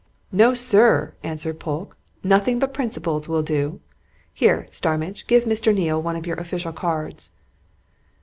"No, sir!" answered Polke. "Nothing but principals will do! Here, Starmidge, give Mr. Neale one of your official cards."